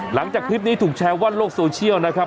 หลังจากคลิปนี้ถูกแชร์ว่าโลกโซเชียลนะครับ